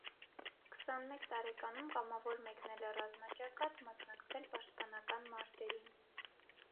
Քսանմեկ տարեկանում կամավոր մեկնել է ռազմաճակատ, մասնակցել պաշտպանական մարտերին։